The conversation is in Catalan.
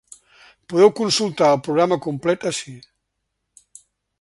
Podeu consultar el programa complet ací.